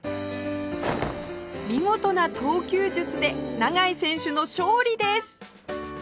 見事な投球術で永井選手の勝利です！